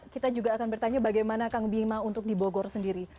kita juga akan bertanya bagaimana kang bima untuk di bogor sendiri